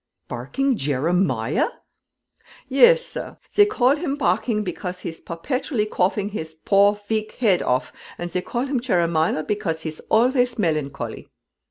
"Barking Jeremiah!" "Yes, sir. They gall him Parking pecause he's berbetually goughin' his poor veag head off; and they gall him Cheremiah pecause he's alvays belangholy."